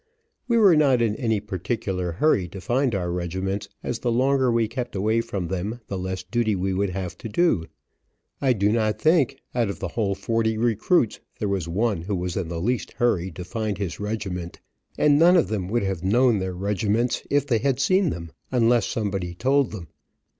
We were not in any particular hurry to find our regiments, as the longer we kept away from them the less duty we would have to do. I do not think, out of the whole forty recruits, there was one who was in the least hurry to find his regiment, and none of them would have known their regiments if they had seen them, unless somebody told them.